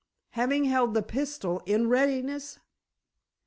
"Having held the pistol in readiness?"